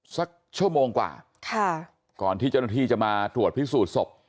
สักชั่วโมงกว่าค่ะก่อนที่เจ้าหน้าที่จะมาตรวจพิสูจน์ศพ